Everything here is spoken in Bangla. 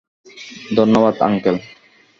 ধন্যবাদ, আঙ্কেল!